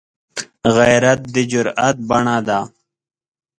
غیرت د جرئت بڼه ده